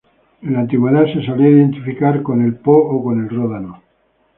En la antigüedad se solía identificar con el Po o con el Ródano.